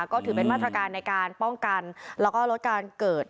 ก็ถือเป็นมาตรการในการป้องกันแล้วก็ลดการเกิด